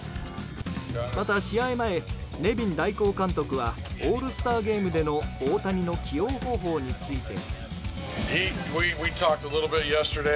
また試合前、ネビン代行監督はオールスターゲームでの大谷の起用方法について。